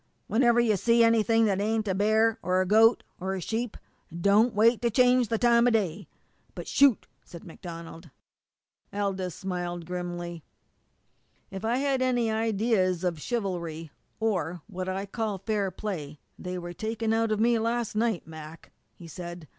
"Whenever you see anything that ain't a bear, or a goat, or a sheep, don't wait to change the time o' day but shoot!" said MacDonald. Aldous smiled grimly. "If I had any ideas of chivalry, or what I call fair play, they were taken out of me last night, Mac," he said.